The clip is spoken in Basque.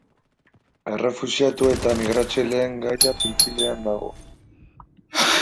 Errefuxiatu eta migratzaileen gaia pil-pilean dago.